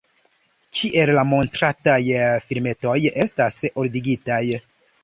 Kiel la montrataj filmetoj estas ordigitaj?